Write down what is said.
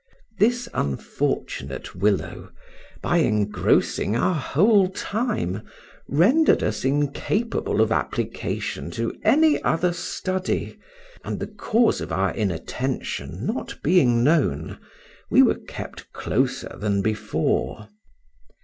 This unfortunate willow, by engrossing our whole time, rendered us incapable of application to any other study, and the cause of our inattention not being known, we were kept closer than before.